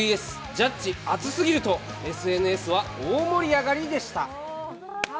ジャッジ、熱すぎるとＳＮＳは大盛り上がりでした。